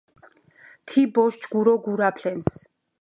თი ბოშ ჯგურო გურაფლენს